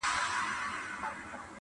چي یې تر دار پوري د حق چیغي وهلي نه وي!!